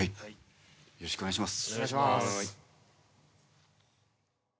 よろしくお願いします。